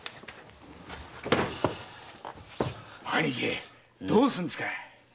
兄貴どうするんですか？